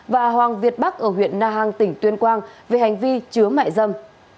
và hoàng việt bắc ở huyện na hàng tỉnh tuyên quang về hành vi chứa mại dâm